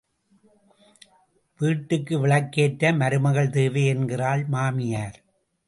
வீட்டுக்கு விளக்கேற்ற மருமகள் தேவை என்கிறாள் மாமியார்.